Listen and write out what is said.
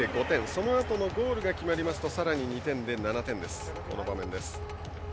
そのあとのゴールが決まるとさらに２点で７点です。